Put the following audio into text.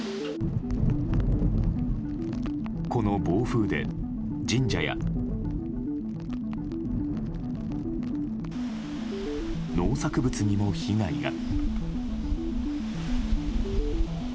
この暴風で神社や農作物にも被害が。